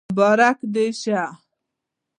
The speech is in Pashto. مبارک شه